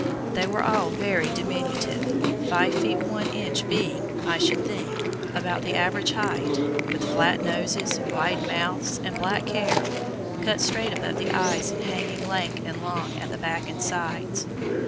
They were all very diminutive, five feet one inch being, I should think, about the average height, with flat noses, wide mouths, and black hair, cut straight above the eyes and hanging lank and long at the back and sides.